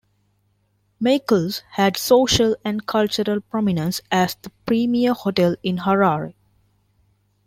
Meikles had social and cultural prominence as the premier hotel in Harare.